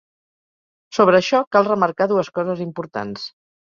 Sobre això, cal remarcar dues coses importants.